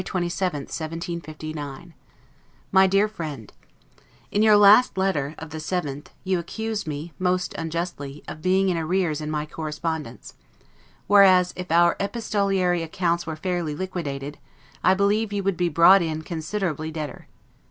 LETTER CCXXXIX LONDON, February 27, 1759 MY DEAR FRIEND: In your last letter, of the 7th, you accuse me, most unjustly, of being in arrears in my correspondence; whereas, if our epistolary accounts were fairly liquidated, I believe you would be brought in considerably debtor.